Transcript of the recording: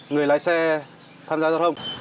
người lái xe tham gia giao thông